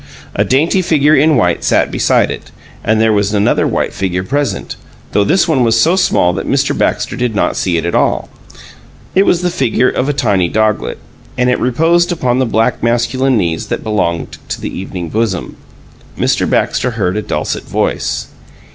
A dainty figure in white sat beside it, and there was another white figure present, though this one was so small that Mr. Baxter did not see it at all. It was the figure of a tiny doglet, and it reposed upon the black masculine knees that belonged to the evening bosom. Mr. Baxter heard a dulcet voice.